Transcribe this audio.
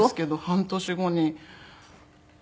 半年後に。